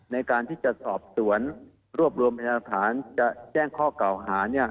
ในการที่จะสอบสวนรวบรวมพยาฐานจะแจ้งข้อเก่าหา